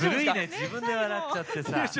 自分で笑っちゃってさあ。